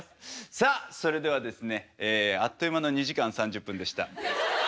さあそれではですねあっという間の２時間３０分でした。